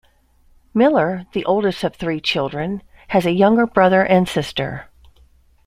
Miller, the oldest of three children, has a younger brother and sister.